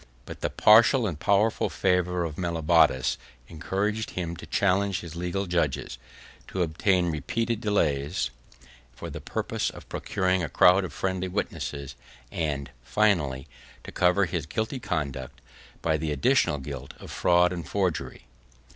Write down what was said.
But the partial and powerful favor of Mellobaudes encouraged him to challenge his legal judges, to obtain repeated delays for the purpose of procuring a crowd of friendly witnesses, and, finally, to cover his guilty conduct, by the additional guilt of fraud and forgery.